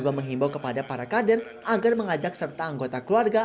dan menimbau kepada para kader agar mengajak serta anggota keluarga